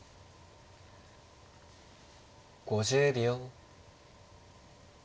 ５０秒。